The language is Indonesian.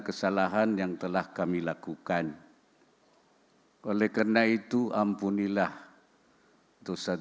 kesalahan yang telah kami lakukan oleh karena itu ampunilah dosa dosa dan kesalahan yang telah kami lakukan